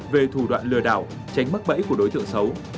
về thủ đoạn lừa đảo tránh mắc bẫy của đối tượng xấu